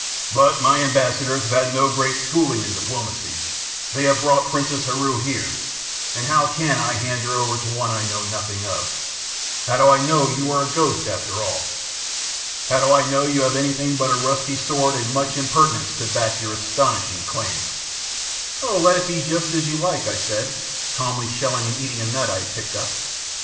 But my ambassadors have had no great schooling in diplomacy; they have brought Princess Heru here, and how can I hand her over to one I know nothing of? How do I know you are a ghost, after all? How do I know you have anything but a rusty sword and much impertinence to back your astounding claim?" "Oh, let it be just as you like," I said, calmly shelling and eating a nut I had picked up.